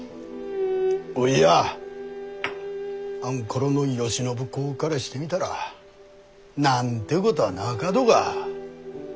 おいやあんころの慶喜公からしてみたら何てことぁなかどが。